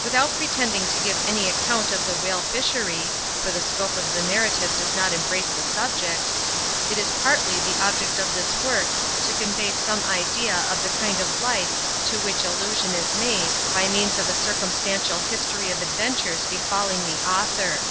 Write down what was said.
Without pretending to give any account of the whale fishery (for the scope of the narrative does not embrace the subject), it is partly the object of this work to convey some idea of the kind of life to which allusion is made, by means of a circum stantial history of adventures befalling the author.